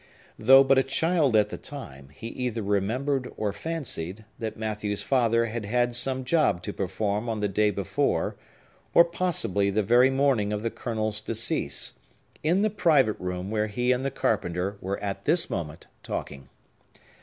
Though but a child at the time, he either remembered or fancied that Matthew's father had had some job to perform on the day before, or possibly the very morning of the Colonel's decease, in the private room where he and the carpenter were at this moment talking.